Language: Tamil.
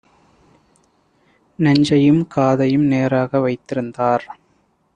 நெஞ்சையும் காதையும் நேராக வைத்திருந்தார்: